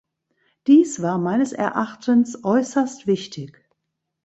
Dies war meines Erachtens äußerst wichtig.